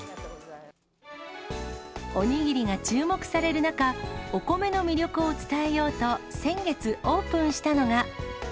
おにぎりが注目される中、お米の魅力を伝えようと先月オープンしたのが。